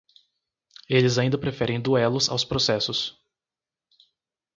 Eles ainda preferem duelos aos processos.